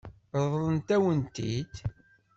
Ṛeḍlent-awen-t-id?